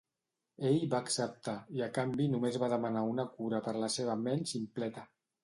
Ell va acceptar, i a canvi només va demanar una cura per la seva ment ximpleta.